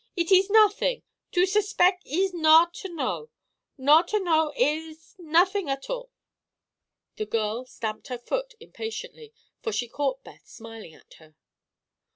"It ees nothing. To suspec' ees not to know. Not to know ees—nothing at all." The girl stamped her foot impatiently, for she caught Beth smiling at her.